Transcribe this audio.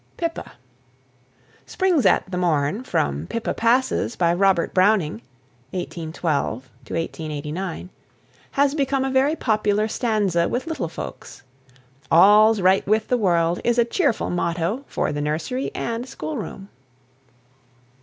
PIPPA. "Spring's at the Morn," from "Pippa Passes," by Robert Browning (1812 89), has become a very popular stanza with little folks. "All's right with the world" is a cheerful motto for the nursery and schoolroom.